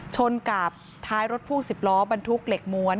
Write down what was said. ชนกับท้ายรถพ่วง๑๐ล้อบรรทุกเหล็กม้วน